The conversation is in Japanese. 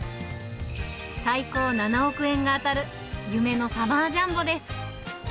最高７億円が当たる、夢のサマージャンボです。